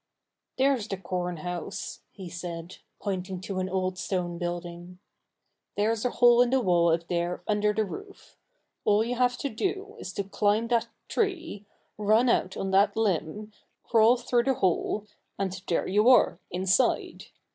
"There's the corn house," he said, pointing to an old stone building. "There's a hole in the wall up there under the roof. All you have to do is to climb that tree, run out on that limb, crawl through the hole, and there you are inside.